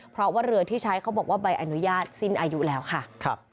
เพราะว่าเรือที่ใช้เขาบอกว่าใบอนุญาตสิ้นอายุแล้วค่ะ